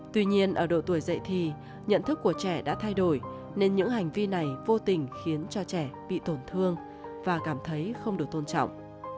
tuy nhiên ở độ tuổi dạy thì nhận thức của trẻ đã thay đổi nên những hành vi này vô tình khiến cho trẻ bị tổn thương và cảm thấy không được tôn trọng